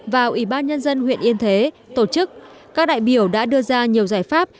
và ủy ban nhân dân huyện yên thế tổ chức các đại biểu đã đưa ra nhiều giải pháp